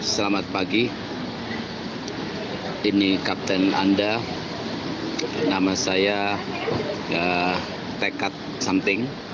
selamat pagi ini kapten anda nama saya tekad something